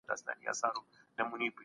باطل په مابينځ کي هیڅ کله نه پاتې کېدی.